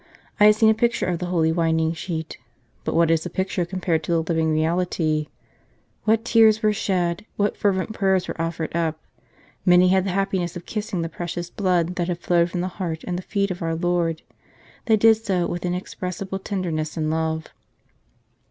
I had seen a picture of the Holy Winding Sheet but what is a picture compared to the living reality ? What tears were shed ! what fervent prayers were offered up ! Many had the happiness of kissing the precious blood that had flowed from the heart and the feet of our Lord. They did so with inex pressible tenderness and love.